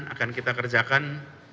akan kita kerjakan